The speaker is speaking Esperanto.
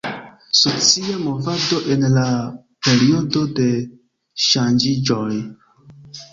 Socia movado en la periodo de ŝanĝiĝoj.